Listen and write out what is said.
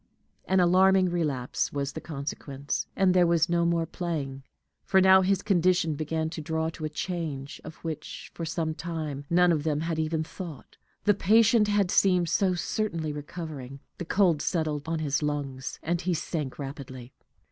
An alarming relapse was the consequence, and there was no more playing; for now his condition began to draw to a change, of which, for some time, none of them had even thought, the patient had seemed so certainly recovering. The cold settled on his lungs, and he sank rapidly.